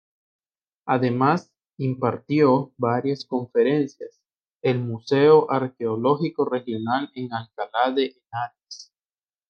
Además, impartió varias conferencias: “El Museo Arqueológico Regional en Alcalá de Henares.